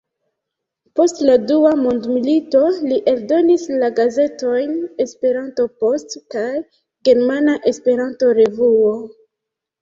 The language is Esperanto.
Post la dua mondmilito li eldonis la gazetojn "Esperanto-Post" kaj "Germana Esperanto-Revuo.